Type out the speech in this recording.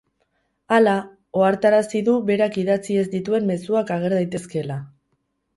Hala, ohartarazi du berak idatzi ez dituen mezuak ager daitezkeela.